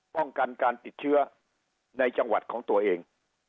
ป้องกันการติดเชื้อในจังหวัดของตัวเอง